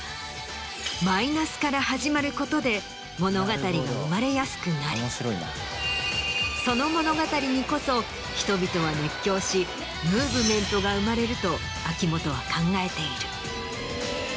マイナスから始まることで物語が生まれやすくなりその物語にこそ人々は熱狂しムーブメントが生まれると秋元は考えている。